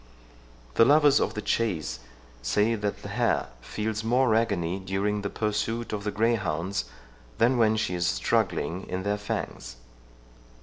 The lovers of the chase say that the hare feels more agony during the pursuit of the greyhounds, than when she is struggling in their fangs.